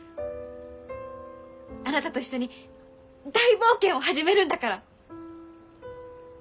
あなたと一緒に大冒険を始めるんだから！